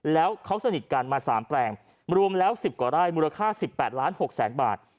แล้วเขาสนิทกันมา๓แปลงรวมแล้ว๑๐กว่าไร่มูลค่า๑๘ล้าน๖แสนบาท